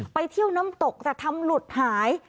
ไปเที่ยวน้ำตกแต่ทำหลุดหาย